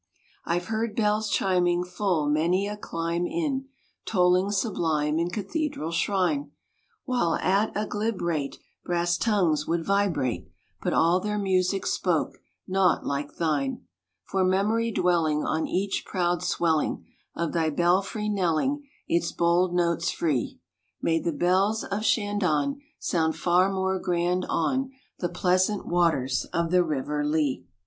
I've heard bells chiming full many a clime in, Tolling sublime in cathedral shrine; While at a glib rate brass tongues would vibrate; But all their music spoke naught like thine. For memory dwelling on each proud swelling Of thy belfry knelling its bold notes free, Made the bells of Shandon sound far more grand on The pleasant waters of the River Lee.